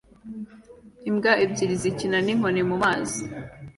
Imbwa ebyiri zikina ninkoni mumazi